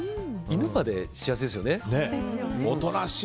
犬まで幸せですよね。